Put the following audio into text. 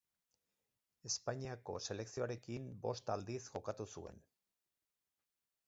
Espainiako selekzioarekin bost aldiz jokatu zuen.